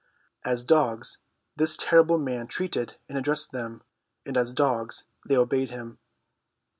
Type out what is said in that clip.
As dogs this terrible man treated and addressed them, and as dogs they obeyed him.